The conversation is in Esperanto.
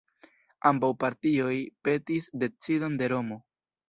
Ambaŭ partioj petis decidon de Romo.